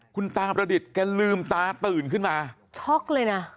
คุณตาประดิษฐ์แกลืมตาตื่นขึ้นมาช็อกเลยนะ